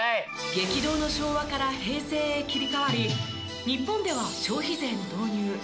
激動の昭和から平成へ切り替わり日本では消費税の導入